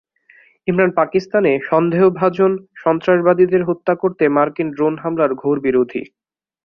ইমরান পাকিস্তানে সন্দেহভাজন সন্ত্রাসবাদীদের হত্যা করতে মার্কিন ড্রোন হামলার ঘোর বিরোধী।